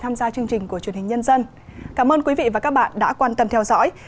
tham gia chương trình của truyền hình nhân dân cảm ơn quý vị và các bạn đã quan tâm theo dõi